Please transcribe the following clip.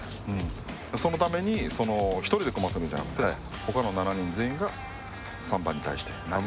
そのために、１人で組ませるんじゃなくて他の７人全員が３番に対して。